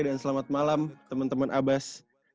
dan selamat malam teman teman abas